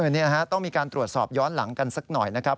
นี่นะฮะต้องมีการตรวจสอบย้อนหลังกันสักหน่อยนะครับ